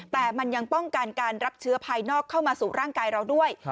แต่มันยังป้องกันการรับเชื้อภายนอกเข้ามาสู่ร่างกายเราด้วย